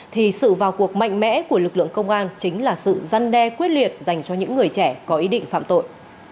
thì sự vào cuộc mạnh mẽ của lực lượng công an chính là sự răn đe quyết liệt dành cho những người trẻ có ý định phạm tội